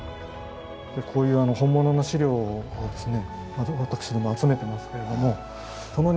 こういう本物の資料をですね